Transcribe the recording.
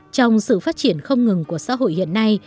trong sự phát triển không ngừng của xã hội hiện nay